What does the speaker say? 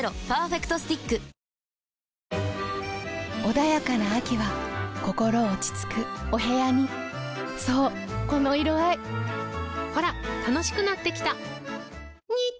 穏やかな秋は心落ち着くお部屋にそうこの色合いほら楽しくなってきた！